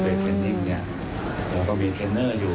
เป็นเทรนนิ่งเนี่ยเราก็มีเทรนเนอร์อยู่